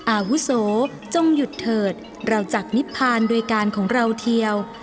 อาวุโสจงหยุดเถิดเราจากนิพพานโดยการของเราเทียว